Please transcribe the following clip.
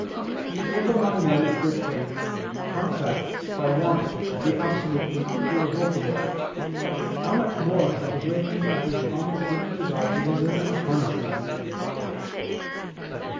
xxvii, qu. 1]: "If among men of good faith contracts are wont to be absolutely irrevocable, how much more shall the breaking of this promise given to God be deserving of punishment!"